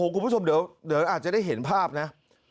คุณผู้ชมเดี๋ยวอาจจะได้เห็นภาพนะ